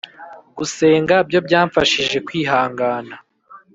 gusenga byo byamfashije kwihangana.